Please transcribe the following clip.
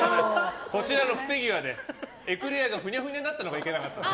こちらの不手際でエクレアがふにゃふにゃになったのがいけなかった。